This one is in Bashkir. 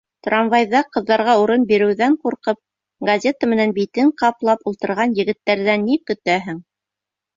Трамвайҙа ҡыҙҙарға урын биреүҙән ҡурҡып, газета менән битен ҡаплап ултырған егеттәрҙән ни көтәһең?